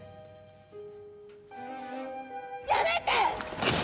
やめて！